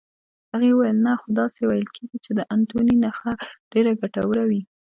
هغې وویل: نه، خو داسې ویل کېږي چې د انتوني نخښه ډېره ګټوره وي.